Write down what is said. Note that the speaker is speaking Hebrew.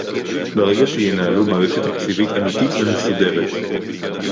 ברגע שינהלו מערכת תקציבית אמיתית ומסודרת